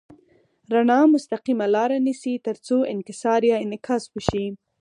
رڼا مستقیمه لاره نیسي تر څو انکسار یا انعکاس وشي.